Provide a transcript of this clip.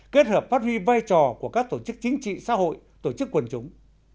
kết hợp phát huy vai trò của các tổ chức chính trị xã hội tổ chức quần chúng